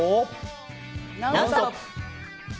「ノンストップ！」。